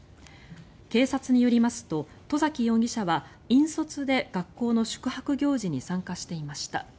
警察によりますと外崎容疑者は引率で学校の宿泊行事に参加していました。